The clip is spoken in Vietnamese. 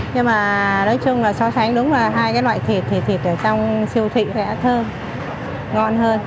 nhưng mà nói chung là so sánh đúng là hai cái loại thịt thì thịt ở trong siêu thị sẽ thơm ngon hơn